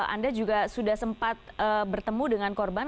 anda juga sudah sempat bertemu dengan korban